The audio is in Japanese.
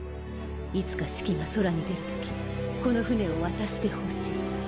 「いつかシキが宇宙に出る時この船を渡してほしい」。